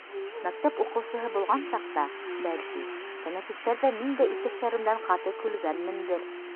Мәктәп уҡыусыһы булған саҡта, бәлки, тәнәфестәрҙә мин дә иптәштәремдән ҡаты көлгәнмендер.